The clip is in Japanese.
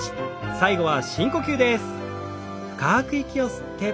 最後は深呼吸です。